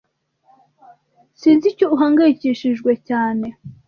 S Sinzi icyo uhangayikishijwe cyane.